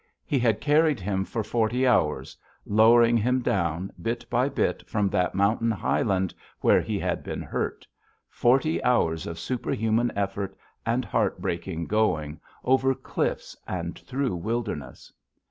He had carried him for forty hours, lowering him down, bit by bit, from that mountain highland where he had been hurt forty hours of superhuman effort and heart breaking going, over cliffs and through wilderness.